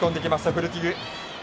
フルティグ。